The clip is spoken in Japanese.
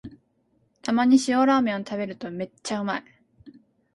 たまに塩ラーメンを食べるとめっちゃうまい